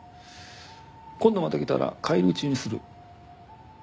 今度また来たら返り討ちにする。